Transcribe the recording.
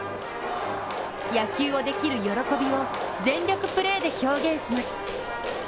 野球をできる喜びを全力プレーで表現します。